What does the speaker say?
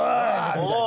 みたいな。